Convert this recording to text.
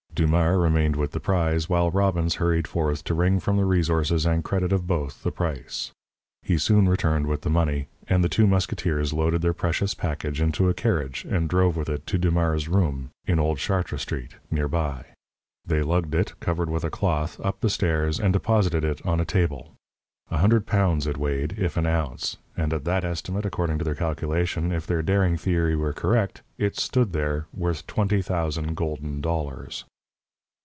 Dumars remained with the prize, while Robbins hurried forth to wring from the resources and credit of both the price. He soon returned with the money, and the two musketeers loaded their precious package into a carriage and drove with it to Dumars's room, in old Chartres Street, nearby. They lugged it, covered with a cloth, up the stairs, and deposited it on a table. A hundred pounds it weighed, if an ounce, and at that estimate, according to their calculation, if their daring theory were correct, it stood there, worth twenty thousand golden dollars.